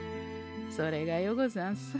それがようござんす。